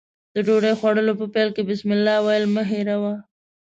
د ډوډۍ خوړلو په پیل کې بسمالله ويل مه هېروه.